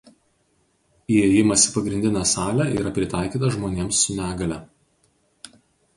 Įėjimas į pagrindinę salę yra pritaikytas žmonėms su negalia.